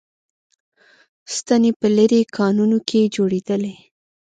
ستنې په لېرې کانونو کې جوړېدلې